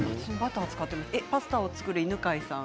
パスタを作る犬飼さん